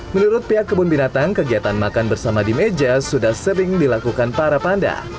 menurut pihak kebun binatang kegiatan makan bersama di meja sudah sering dilakukan para panda